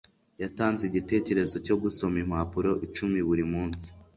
Yatanze igitekerezo cyo gusoma impapuro icumi buri munsi.